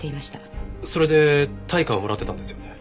それで対価をもらってたんですよね？